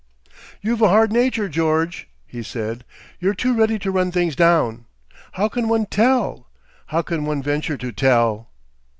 "You've a hard nature, George," he said. "You're too ready to run things down. How can one tell? How can one venture to _tell?